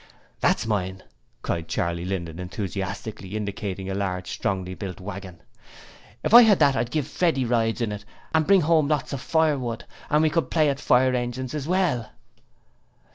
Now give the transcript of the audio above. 'That's mine!' cried Charley Linden, enthusiastically indicating a large strongly built waggon. 'If I had that I'd give Freddie rides in it and bring home lots of firewood, and we could play at fire engines as well.'